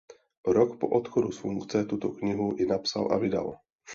Rok po odchodu z funkce tuto knihu i napsal a vydal.